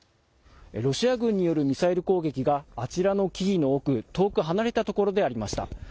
ロシア軍によるミサイル攻撃があちらの木々の奥、遠く離れたところでありました。